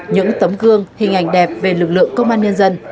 những tấm gương hình ảnh đẹp về lực lượng công an nhân dân